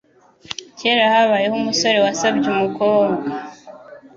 Kera habayeho umusore wasabye umukobwa